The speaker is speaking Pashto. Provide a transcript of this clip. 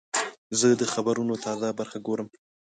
زه د خبرونو تازه برخه ګورم.